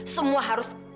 semua harus bersih